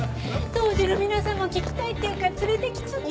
杜氏の皆さんも聴きたいっていうから連れてきちゃった。